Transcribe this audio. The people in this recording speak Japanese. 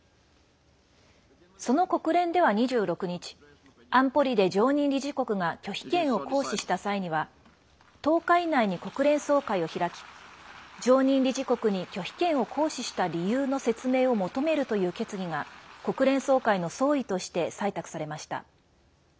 その国連では２６日安保理で常任理事国が拒否権を行使した際には１０日以内に国連総会を開き常任理事国に拒否権を行使した理由の説明を求めるという決議が国連総会の総意として採択されました。